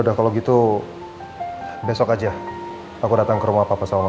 sebelumnya sama mama pak